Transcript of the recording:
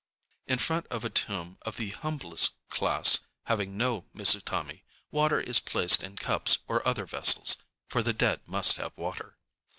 In front of a tomb of the humblest class, having no mizutam├®, water is placed in cups or other vessels, ŌĆöfor the dead must have water.